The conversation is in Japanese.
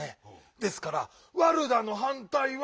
ですから「ワルダ」のはんたいは。